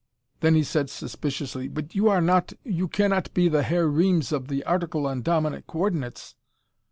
Then he said suspiciously, "But you are not you cannot be the Herr Reames of the article on dominant coordinates!"